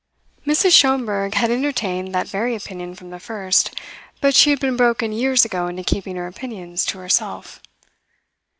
Mrs. Schomberg had entertained that very opinion from the first; but she had been broken years ago into keeping her opinions to herself.